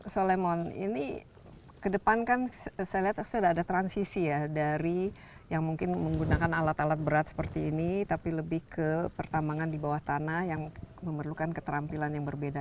solemon ini ke depan kan saya lihat sudah ada transisi ya dari yang mungkin menggunakan alat alat berat seperti ini tapi lebih ke pertambangan di bawah tanah yang memerlukan keterampilan yang berbeda